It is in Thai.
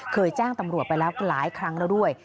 แจ้งตำรวจไปแล้วหลายครั้งแล้วด้วย